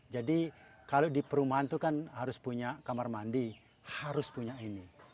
jadi kalau di perumahan itu kan harus punya kamar mandi harus punya ini